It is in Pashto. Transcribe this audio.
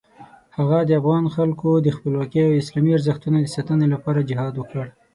هغه د افغان خلکو د خپلواکۍ او اسلامي ارزښتونو د ساتنې لپاره جهاد وکړ.